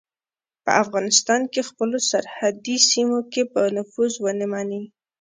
په افغانستان او خپلو سرحدي سیمو کې به نفوذ ونه مني.